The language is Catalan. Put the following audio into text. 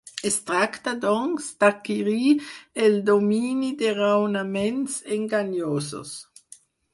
Es tracta, doncs, d'adquirir el domini de raonaments enganyosos.